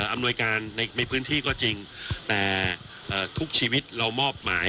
อำนวยการในพื้นที่ก็จริงแต่ทุกชีวิตเรามอบหมาย